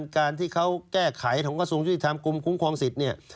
การที่เขาแก้ไขของกระทรวงยุติธรรมกรมคุ้มครองสิทธิ์เนี่ย